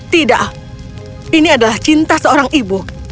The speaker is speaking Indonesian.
tidak ini adalah cinta seorang ibu